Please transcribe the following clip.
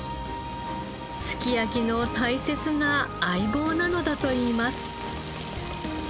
すき焼きの大切な相棒なのだといいます。